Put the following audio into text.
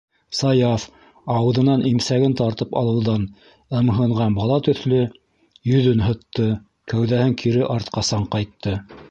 - Саяф ауыҙынан имсәген тартып алыуҙан ымһынған бала төҫлө йөҙөн һытты, кәүҙәһен кире артҡа саңҡайтты.